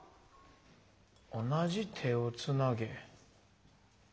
「同じ手をつなげ」？